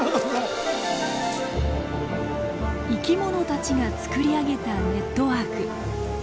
生き物たちが作り上げたネットワーク。